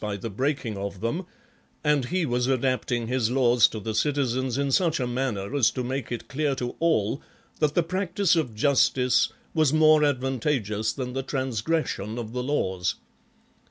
3 the breaking of them, and he was adapting his laws to the citizens in such a manner as to make it clear to all that the practice of justice was more advanta geous than the transgression of the laws.